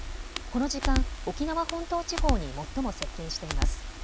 この時間、沖縄本島地方に最も接近しています。